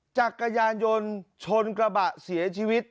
จักรยานยนต์ชนกระบะเสียชีวิต